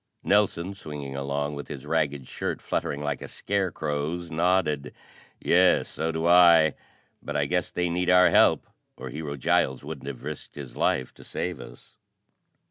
Nelson, swinging along with his ragged shirt fluttering like a scarecrow's, nodded. "Yes, so do I. But I guess they need our help or Hero Giles wouldn't have risked his life to save us."